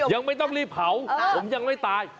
ยังไม่ต้องรีบเผาผมยังไม่ตาย